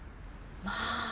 まあ！